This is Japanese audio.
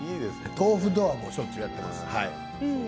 豆腐とはしょっちゅう、やっています。